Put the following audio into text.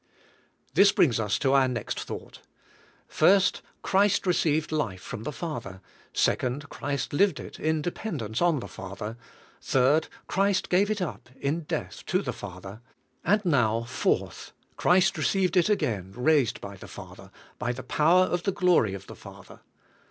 '' This brings us to our next thought. First, Christ received life from the Father; second, Christ lived it in dependence on the Father; third, Christ gave it up in death to the Father; and now, fourth, Christ received it again raised by the Father, by the power of the glory of the Father.